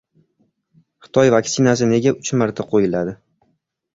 Xitoy vaksinasi nega uch marta qo‘yiladi?